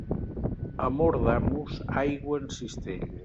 Amor d'amos, aigua en cistella.